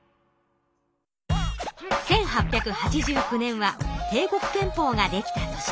１８８９年は帝国憲法ができた年。